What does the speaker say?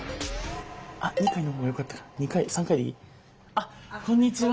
あっこんにちは。